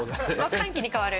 歓喜に変わる？